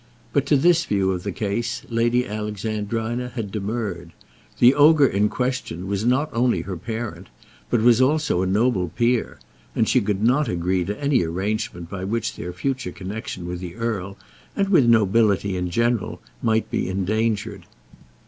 But to this view of the case Lady Alexandrina had demurred. The ogre in question was not only her parent, but was also a noble peer, and she could not agree to any arrangement by which their future connection with the earl, and with nobility in general, might be endangered.